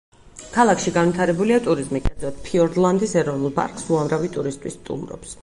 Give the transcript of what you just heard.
ქალაქში განვითარებულია ტურიზმი, კერძოდ, ფიორდლანდის ეროვნულ პარკს უამრავი ტურისტი სტუმრობს.